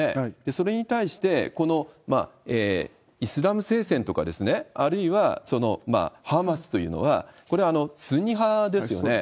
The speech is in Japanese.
それに対して、このイスラム聖戦とか、あるいはハマスというのは、これはスンニ派ですよね。